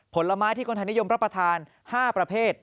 ผลไม้ที่คนไทยนิยมรับประทาน๕ประเภท